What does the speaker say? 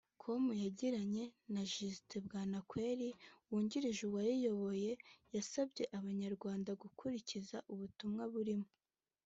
com yagiranye na Just Bwanakweli wungirije uwayiyoboye yasabye Abanyarwanda gukurikiza ubutumwa buyirimo